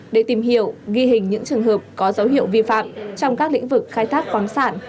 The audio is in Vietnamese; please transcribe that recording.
để tìm hiểu ghi hình những trường hợp có dấu hiệu vi phạm trong các lĩnh vực khai thác khoáng sản